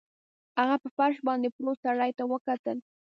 هغه په فرش باندې پروت سړي ته وکتل